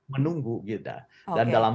menunggu gitu dan dalam